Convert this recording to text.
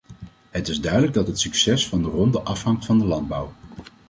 Het is duidelijk dat het succes van de ronde afhangt van de landbouw.